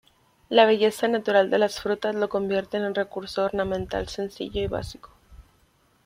La belleza natural de las frutas lo convierten en recurso ornamental sencillo y básico.